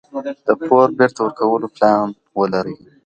د پور بیرته ورکولو پلان ولرئ.